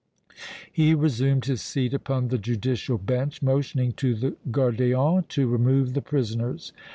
He resumed his seat upon the judicial bench, motioning to the gardien to remove the prisoners.